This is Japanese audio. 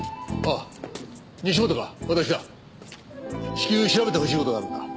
至急調べてほしい事があるんだ。